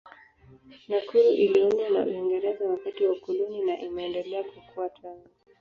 Nakuru iliundwa na Uingereza wakati wa ukoloni na imeendelea kukua tangu.